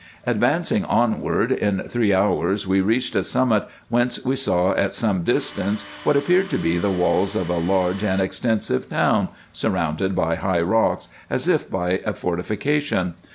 Advancing onward, in three hours we reached a summit, whence we saw at some distance what appeared to be the walls of a large and extensive town, surrounded by high rocks, as if by a fortifica tion.